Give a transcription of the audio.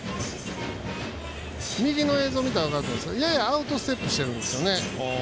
右の映像を見たら分かるんですがややアウトステップしてるんです。